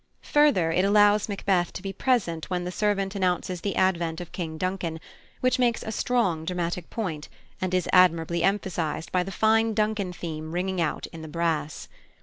Further, it allows Macbeth to be present when the servant announces the advent of King Duncan, which makes a strong dramatic point, and is admirably emphasised by the fine Duncan theme ringing out in the brass.